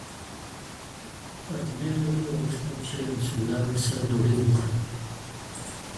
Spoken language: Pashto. فاطمې ولي غوښتل چي رسول الله ورسره ډوډۍ وخوري؟